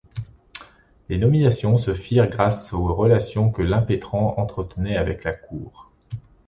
Les nominations se firent grâce aux relations que l'impétrant entretenait avec la cour.